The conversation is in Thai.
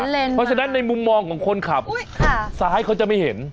เพราะฉะนั้นในมุมมองของคนขับซ้ายเขาจะไม่เห็น